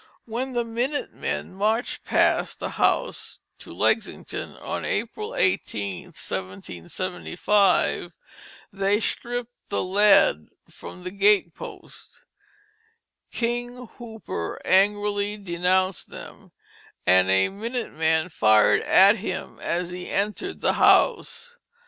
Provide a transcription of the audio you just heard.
When the minute men marched past the house to Lexington on April 18, 1775, they stripped the lead from the gate posts. "King Hooper" angrily denounced them, and a minute man fired at him as he entered the house.